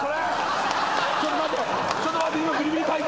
ちょっと待って！